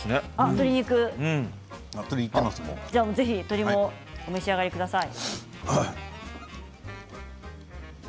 鶏肉もぜひお召し上がりください。